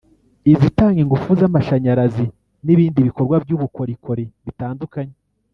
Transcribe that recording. izitanga ingufu z’amashanyarazi n’ibindi bikorwa by’ubukorikori bitandukanye